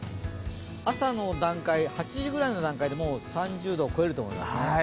朝の段階、８時ぐらいの段階で３０度を超えると思いますね。